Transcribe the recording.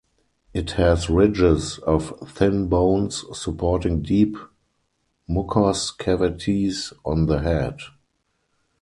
It has ridges of thin bones supporting deep mucous cavities on the head.